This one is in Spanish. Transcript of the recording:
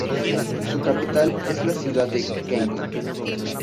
Su capital es la ciudad de Keita.